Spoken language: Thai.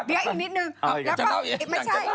เดี๋ยวอีกนิดนึงไม่ใช่